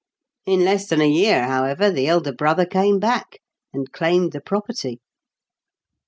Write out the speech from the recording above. In less than a year, however, the elder brother came back, and claimed the property.